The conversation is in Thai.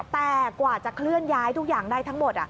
แต่กว่าจะเคลื่อนย้ายทุกอย่างได้ทั้งหมด